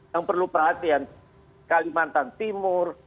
yang perlu perhatian kalimantan timur